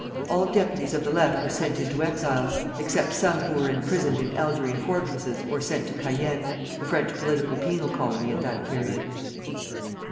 All deputies of the Left were sent into exile, except some who were imprisoned in Algerine fortresses or sent to Cayenne, the French political penal colony at that period.